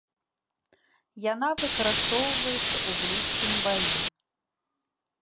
Яна выкарыстоўваецца ў блізкім баі.